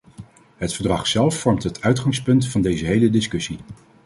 Het verdrag zelf vormt het uitgangspunt van deze hele discussie.